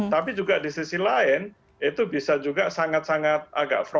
tapi juga di sisi lain itu bisa juga sangat sangat agak fron